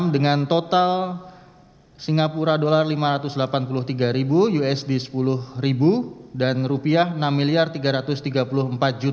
satu enam dengan total singapura dolar lima ratus delapan puluh tiga ribu usd sepuluh ribu dan rupiah enam tiga ratus tiga puluh empat tiga ratus tiga puluh dua rupiah